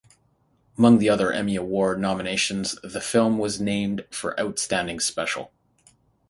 Among the other Emmy Award nominations, the film was named for "Outstanding Special".